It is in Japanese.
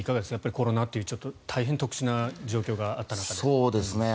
コロナという大変特殊な状況がありましたが。